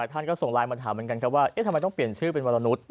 ท่านก็ส่งไลน์มาถามเหมือนกันครับว่าทำไมต้องเปลี่ยนชื่อเป็นวรนุษย์